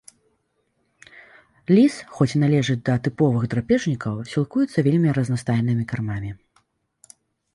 Ліс, хоць і належыць да тыповых драпежнікаў, сілкуецца вельмі разнастайнымі кармамі.